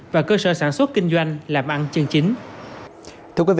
và cơ sở sản xuất kinh doanh làm ăn chân chính